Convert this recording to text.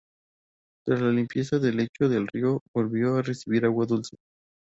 Tras la limpieza del lecho del río, volvió a recibir agua dulce.